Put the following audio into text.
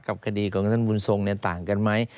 กับคดีของท่านบุญทรงต่างกันไหม